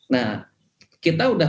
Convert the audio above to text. nah kita sudah